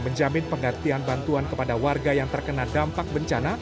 menjamin penggantian bantuan kepada warga yang terkena dampak bencana